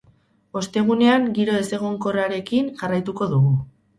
Ostegunean giro ezegonkorrarekin jarraituko dugu.